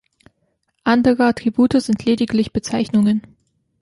Andere Attribute sind lediglich Bezeichnungen.